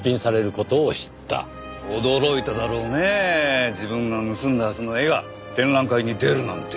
驚いただろうね自分が盗んだはずの絵が展覧会に出るなんて。